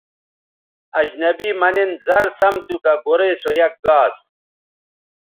اجنبی مہ نِن زر سَم تھو کہ گورئ سو یک گاس